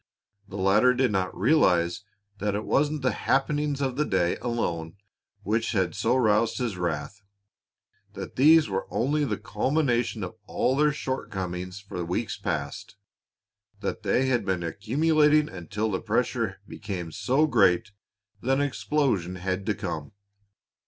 The latter did not realize that it wasn't the happenings of that day alone which had so roused his wrath, that these were only the culmination of all their shortcomings for weeks past, that they had been accumulating until the pressure became so great that an explosion had to come.